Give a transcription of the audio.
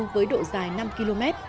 với độ dài năm km